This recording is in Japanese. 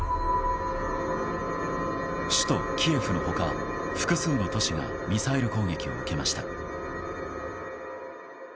首都キエフの他、複数の都市がミサイル攻撃を受けました。